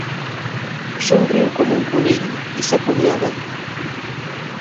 Somriu com un conill i s'acomiada.